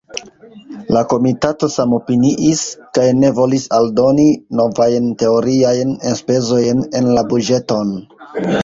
La Komitato samopiniis, kaj ne volis aldoni novajn teoriajn enspezojn en la buĝeton.